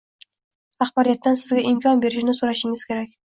rahbariyatdan sizga imkon berishini so‘rashingiz kerak.